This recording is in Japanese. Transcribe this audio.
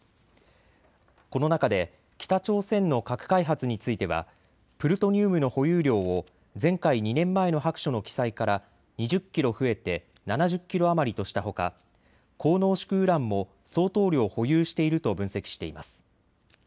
この中で北朝鮮の核開発についてはプルトニウムの保有量を前回２年前の白書の記載から２０キロ増えて７０キロ余りとしたほか、高濃縮ウランも相当量保有していると分析しています。